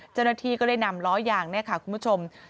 เจ้าหน้าที่ก็ได้นำล้อยางเนี่ยค่ะคุณผู้ชม